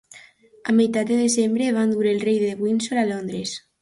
A meitat de desembre, van dur el rei de Windsor a Londres.